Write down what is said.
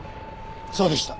そうでした。